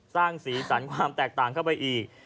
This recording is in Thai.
สร้างสีสันความแตกต่างเข้าไปอีก